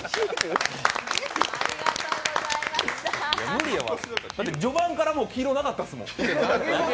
無理やわ序盤から黄色なかったですもん。